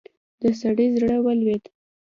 د سړي زړه ولوېد.